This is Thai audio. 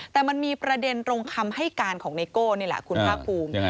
แต่มันมีประเด็นตรงคำให้การของไนโก้นี่แหละคุณภาคภูมิ